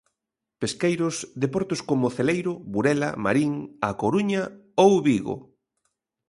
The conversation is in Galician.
Pesqueiros de portos como Celeiro, Burela, Marín, A Coruña ou Vigo.